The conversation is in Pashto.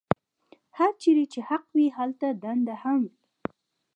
هرچېرې چې حق وي هلته دنده هم وي.